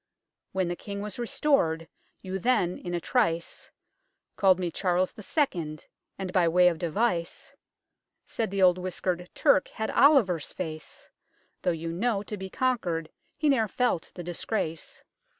When the King was restored, you then, in a trice, Called me Charles the Second, and, by way of device, Said the old whiskered Turk had Oliver's face Though, you know, to be conquered, he ne'er felt the disgrace.